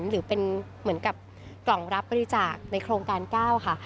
หรือเป็นเหมือนกับกล่องรับบริจาคในโครงการ๙ค่ะ